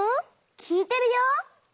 きいてるよ。